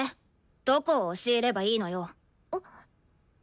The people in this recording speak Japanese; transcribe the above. どこを教えればいいのよ？